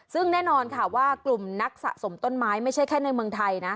ซึ่งแน่นอนค่ะว่ากลุ่มนักสะสมต้นไม้ไม่ใช่แค่ในเมืองไทยนะ